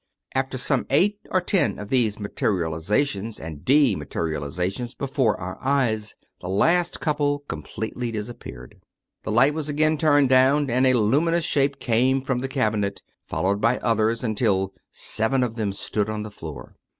After some eight or ten of these materializations and dematerial izations, before our eyes, the last couple completely disap peared. The light was again turned down and a luminous shape came from the cabinet, followed by others, until seven of them stood on the floor.